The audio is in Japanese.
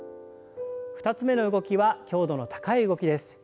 ２つ目の動きは強度の高い動きです。